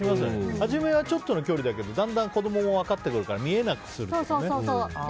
初めはちょっとの距離だけどだんだん子供も分かってくるから見えなくするっていうね。